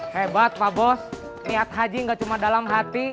hebat pak bos niat haji gak cuma dalam hati